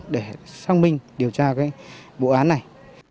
để sang minh điều tra bộ án này